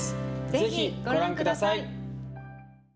ぜひ、ご覧ください。